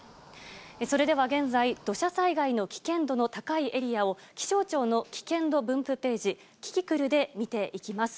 それでは現在、土砂災害の危険度の高いエリアを気象庁の危険度分布ページ、キキクルで見ていきます。